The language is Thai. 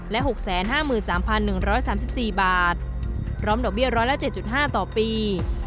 และ๖๕๓๑๓๔บาทพร้อมดอกเบี้ยร้อยละ๗๕ต่อปี